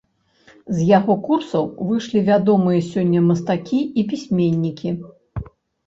З яго курсаў выйшлі вядомыя сёння мастакі і пісьменнікі.